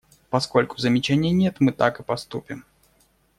Поскольку замечаний нет, мы так и поступим.